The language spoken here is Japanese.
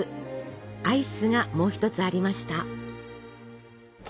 アイスがもう一つありました。